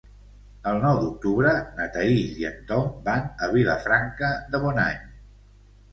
El nou d'octubre na Thaís i en Tom van a Vilafranca de Bonany.